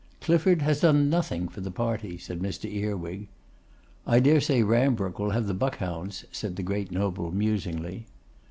'Clifford has done nothing for the party,' said Mr. Earwig. 'I dare say Rambrooke will have the Buckhounds,' said the great noble, musingly.